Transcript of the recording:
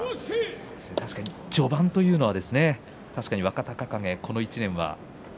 序盤というのは確かに若隆景この１年は。